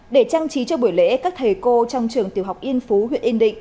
để trang trí cho buổi lễ các thầy cô trong trường tiểu học yên phú huyện yên định